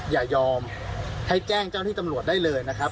อย่ายอมให้แจ้งเจ้าหน้าที่ตำรวจได้เลยนะครับ